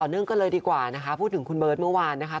เนื่องกันเลยดีกว่านะคะพูดถึงคุณเบิร์ตเมื่อวานนะคะ